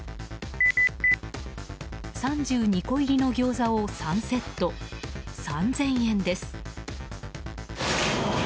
３２個入りのギョーザを３セット３０００円です。